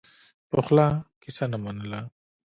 پخلا کیسه نه منله.